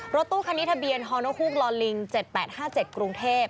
รถตู้คันนิษฐะเบียนฮอโนคุกลอลลิง๗๘๕๗กรุงเทพ